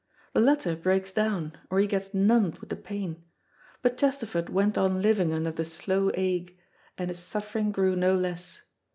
The latter breaks down, or he gets numbed with the pain; but Chesterford went on living under the slow ache, and his suffering grew no less.